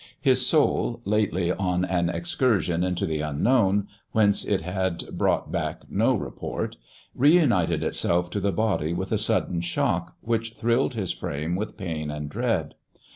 His soul, lately on an excursion into the unknown, whence it had brought back no report, reunited itself to the body with a sudden shock which thrilled his frame with pain and dread.